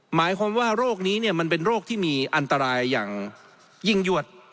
หมายความว่าโรคนี้มันเป็นโรคที่มีอันตรายอย่างยิ่งหยวด